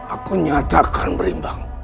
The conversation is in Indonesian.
aku nyatakan berimbang